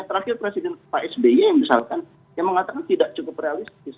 terakhir presiden pak sby misalkan yang mengatakan tidak cukup realistis